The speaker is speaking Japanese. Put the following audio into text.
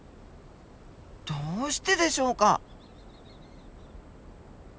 どうしてでしょうか？